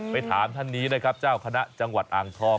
ไปถามท่านนี้นะครับเจ้าคณะจังหวัดอ่างทอง